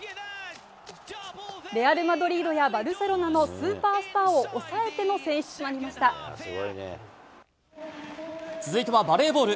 レアル・マドリードやバルセロナのスーパースターを抑えての選出続いてはバレーボール。